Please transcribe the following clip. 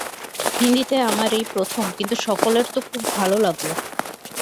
হিন্দীতে আমার এই প্রথম, কিন্তু সকলের তো খুব ভাল লাগল।